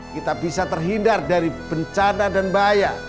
kita bisa terhindar dari bencana dan bahaya